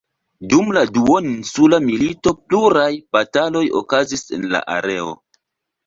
Dum la Duoninsula Milito pluraj bataloj okazis en la areo.